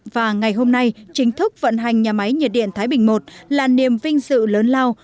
và ngày hôm nay chính thức vận hành nhà máy nhiệt điện thái bình i là niềm vinh sự lớn lao